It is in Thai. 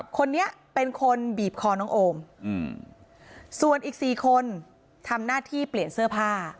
คนนี้เป็นคนบีบคอน้องโอมส่วนอีก๔คนทำหน้าที่เปลี่ยนเสื้อผ้า